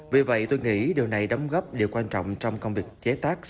vì vậy tôi nghĩ điều này đóng góp điều quan trọng trong công việc chế tác